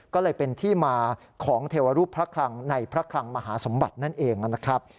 ก็เลยเป็นที่มาของเทวรูปพระคลังในพระคลังมหาสมบัตินั่นเองนะครับ